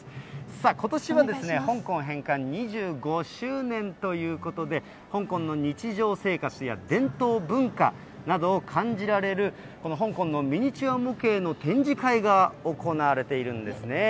さあ、ことしは香港返還２５周年ということで、香港の日常生活や伝統文化などを感じられる香港のミニチュア模型の展示会が行われているんですね。